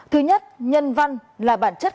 thứ nhất nhân văn là bản chất